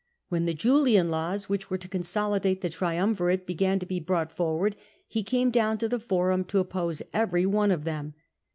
When the Julian Laws, which were to consolidate the triumvirate, began to be brought forward, he came down to the Eorum to oppose every one of them.